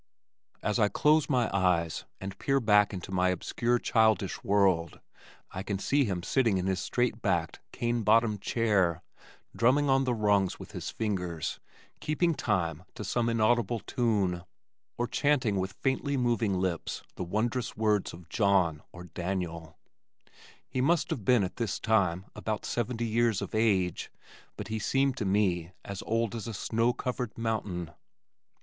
As I close my eyes and peer back into my obscure childish world I can see him sitting in his straight backed cane bottomed chair, drumming on the rungs with his fingers, keeping time to some inaudible tune or chanting with faintly moving lips the wondrous words of John or Daniel. He must have been at this time about seventy years of age, but he seemed to me as old as a snow covered mountain.